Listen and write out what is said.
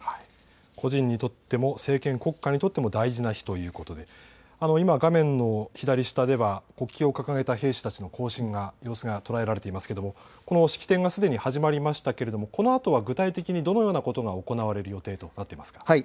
個人にとっても政権、国家にとても大事な日ということで今画面の左下では国旗を掲げた兵士たちの行進の様子が捉えられていますがこの式典がすでに始まりましたがこのあとは具体的にどのようなことが行われる予定となっていますか。